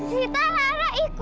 sita lara ikut